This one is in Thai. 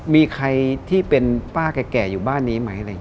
มีใครที่เป็นป้าแก่อยู่บ้านนี้ไหม